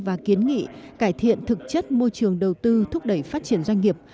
và kiến nghị cải thiện thực chất môi trường đầu tư thúc đẩy phát triển doanh nghiệp